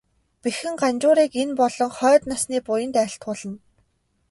Бэхэн Ганжуурыг энэ болон хойд насны буянд айлтгуулна.